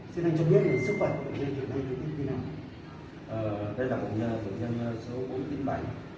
xin anh cho biết về sức khỏe của bệnh nhân trường hệ này là như thế nào